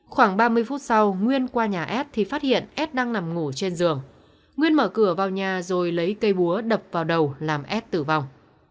khoảng ba mươi phút sau nguyên qua nhà ép thì phát hiện s đang nằm ngủ trên giường nguyên mở cửa vào nhà rồi lấy cây búa đập vào đầu làm s tử vong